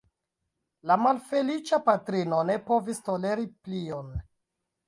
La malfeliĉa patrino ne povis toleri plion.